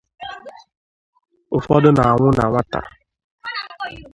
Ụfọdụ na-anwụ na nwata